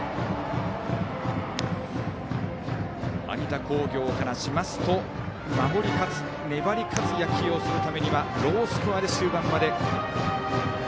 有田工業からしますと守り勝つ、粘り勝つ野球をするためにはロースコアで終盤まで。